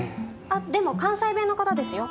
あっでも関西弁の方ですよ。